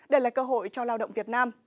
đây là cơ hội cho lao động việt nam